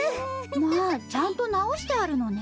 まあちゃんとなおしてあるのね。